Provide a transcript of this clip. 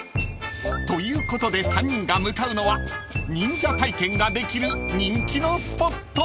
［ということで３人が向かうのは忍者体験ができる人気のスポット］